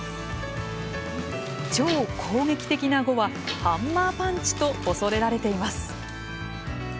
超攻撃的な碁はハンマーパンチと恐れられています。